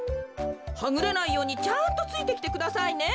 はぐれないようにちゃんとついてきてくださいね。